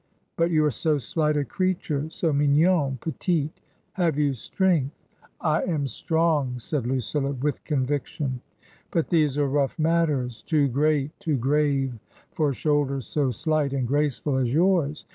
But you are so slight a creature — so mignon — petii Have you strength ?"" I am strong," said Lucilla, with conviction. " But these are rough matters — too great, too grave, for shoulders so slight and graceful as yours.